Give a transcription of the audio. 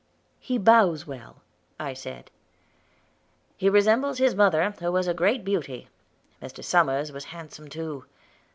"He bows well," I said. "He resembles his mother, who was a great beauty. Mr. Somers was handsome, too.